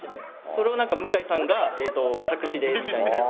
それをなんか向井さんが作詞でみたいな。